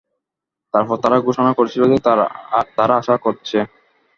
তারপর তারা ঘোষণা করেছিল যে তারা আশা করছে।